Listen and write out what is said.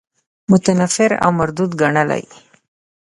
متنفر او مردود ګڼلی.